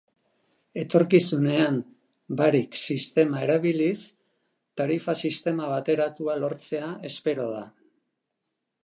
Etorkizunean Barik sistema erabiliz tarifa-sistema bateratua lortzea espero da.